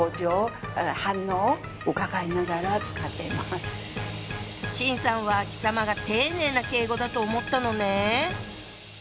はぁ⁉秦さんは「貴様」が丁寧な敬語だと思ったのね。